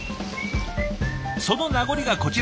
その名残がこちらに。